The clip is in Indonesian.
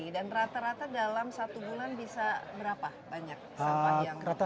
dan rata rata dalam satu bulan bisa berapa